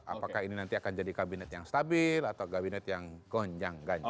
apakah ini nanti akan jadi kabinet yang stabil atau kabinet yang gonjang ganja